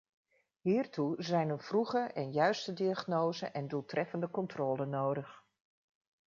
Hiertoe zijn een vroege en juiste diagnose en doeltreffende controle nodig.